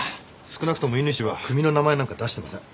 少なくとも伊縫氏は組の名前なんか出してません。